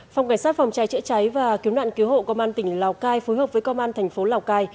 phòng cảnh sát phòng cháy chữa cháy và cứu nạn cứu hộ công an tỉnh lào cai phối hợp với công an thành phố lào cai